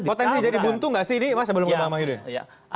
potensi jadi buntu gak sih d